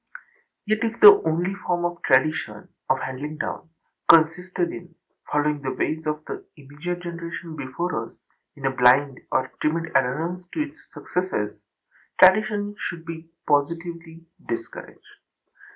Yet if the only form of tradition, of handing down, consisted in following the ways of the immediate generation before us in a blind or timid adherence to its successes, âtraditionâ should positively be discouraged.